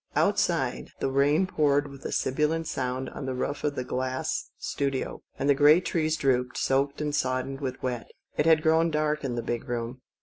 Outside the rain poured with a sibilant sound on the roof of the glass studio, and the great trees drooped, soaked and soddened with wet. It had grown dark in the big room.